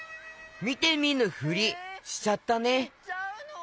みてみぬふりしちゃったね。